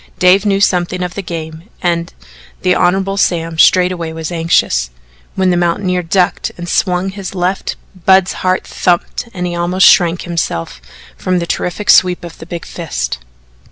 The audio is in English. Dave knew something of the game and the Hon. Sam straightway was anxious, when the mountaineer ducked and swung his left Budd's heart thumped and he almost shrank himself from the terrific sweep of the big fist.